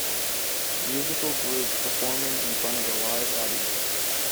Musical group performing in front of a live audience.